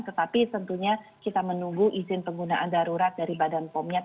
tetapi tentunya kita menunggu izin penggunaan darurat dari badan pomnya